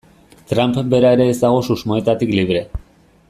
Trump bera ere ez dago susmoetatik libre.